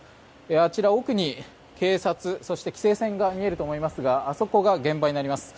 あちら、奥に警察、そして規制線が見えると思いますがあそこが現場になります。